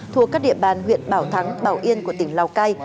thuộc các địa bàn huyện bảo thắng bảo yên của tỉnh lào cai